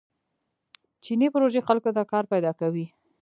چیني پروژې خلکو ته کار پیدا کوي.